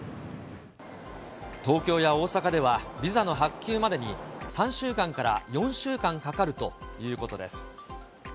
東京や大阪では、ビザの発給までに、３週間から４週間かかるということです。